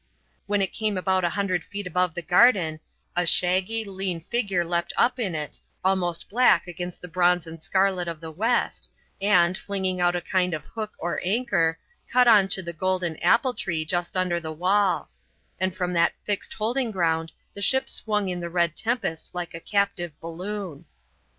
When it came about a hundred feet above the garden, a shaggy, lean figure leapt up in it, almost black against the bronze and scarlet of the west, and, flinging out a kind of hook or anchor, caught on to the green apple tree just under the wall; and from that fixed holding ground the ship swung in the red tempest like a captive balloon.